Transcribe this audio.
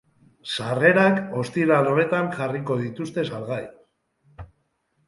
Sarrerak ostiral honetan jarriko dituzte salgai.